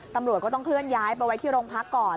ตำรวจก็ต้องเคลื่อนย้ายไปไว้ที่โรงพักก่อน